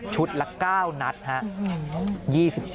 ชุดละ๙นัทครับ